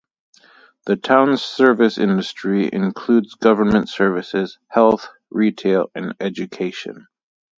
The town's service industry includes government services, health, retail and education.